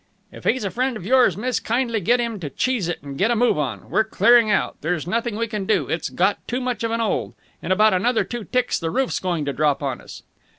"If he's a friend of yours, miss, kindly get 'im to cheese it and get a move on. We're clearing out. There's nothing we can do. It's got too much of an 'old. In about another two ticks the roof's going to drop on us."